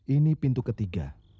ini pintu ketiga